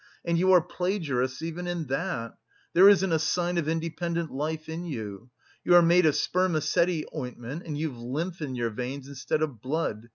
And you are plagiarists even in that! There isn't a sign of independent life in you! You are made of spermaceti ointment and you've lymph in your veins instead of blood.